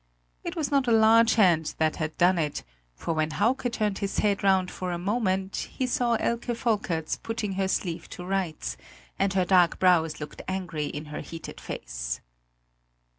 It was not a large hand that had done it; for when Hauke turned his head round for a moment he saw Elke Volkerts putting her sleeve to rights, and her dark brows looked angry in her heated face.